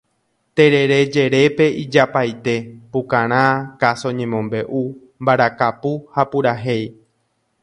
Terere jerépe ijapaite: pukarã, káso ñemombe'u, mbarakapu ha purahéi.